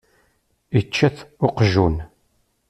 Ičča-t uqjun.